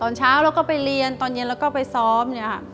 ตอนเช้าแล้วไปเรียนตอนเย็นไปซ้อม